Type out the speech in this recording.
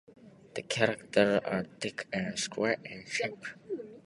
The characters are thick and square in shape.